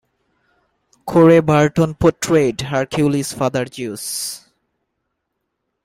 Corey Burton portrayed Hercules' father Zeus.